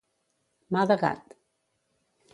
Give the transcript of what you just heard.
Mà de gat.